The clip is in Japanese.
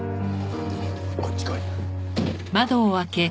こっち来い。